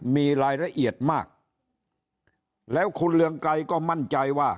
มีรายละเอียดมากแล้วคุณเรืองไกรก็มั่นใจว่า